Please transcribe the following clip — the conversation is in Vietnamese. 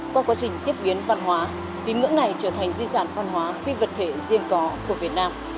qua quá trình tiếp biến văn hóa tín ngưỡng này trở thành di sản văn hóa phi vật thể riêng có của việt nam